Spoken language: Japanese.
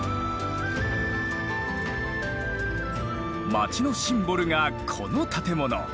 町のシンボルがこの建物。